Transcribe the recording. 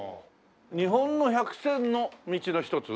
日本の１００選の道の一つ？